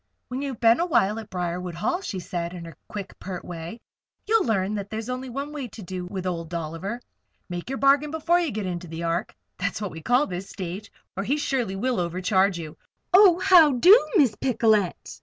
"When you've been a little while at Briarwood Hall," she said, in her quick, pert way, "you'll learn that that's the only way to do with Old Dolliver. Make your bargain before you get into the Ark that's what we call this stage or he surely will overcharge you. Oh! how do, Miss Picolet!"